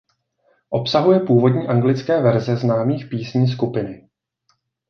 Obsahuje původní anglické verze známých písní skupiny.